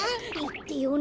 いってよ。